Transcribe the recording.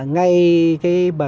ngay cái mà